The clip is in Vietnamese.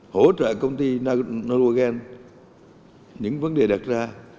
hỗ trợ công ty nanogen những vấn đề đặt ra